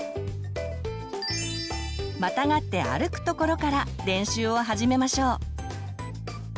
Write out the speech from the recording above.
またがって歩くところから練習を始めましょう。